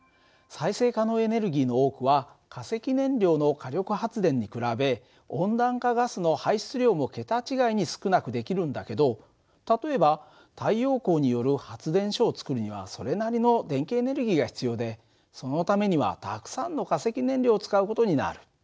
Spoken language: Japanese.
再生可能エネルギーの多くは化石燃料の火力発電に比べ温暖化ガスの排出量も桁違いに少なくできるんだけど例えば太陽光による発電所を造るにはそれなりの電気エネルギーが必要でそのためにはたくさんの化石燃料を使う事になる。